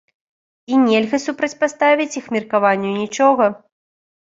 І нельга супрацьпаставіць іх меркаванню нічога!